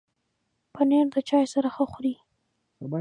پنېر د چای سره ښه خوري.